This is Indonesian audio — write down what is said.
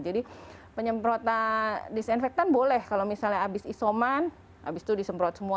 jadi penyemprotan disinfektan boleh kalau misalnya habis isoman habis itu disemprot semua